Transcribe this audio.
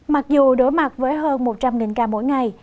mặc dù đối mặt với hơn một trăm linh ca mỗi ngày